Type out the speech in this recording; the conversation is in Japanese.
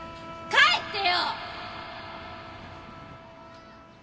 帰ってよ！